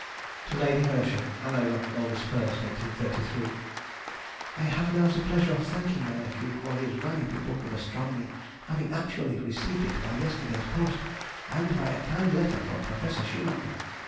TO LADY HERSCHEL. HANOVER, August 1, 1833. I have now the pleasure of thanking my nephew for his valuable book of astronomy, having actually received it by yesterday's post, and by a kind letter from Professor Schumacher.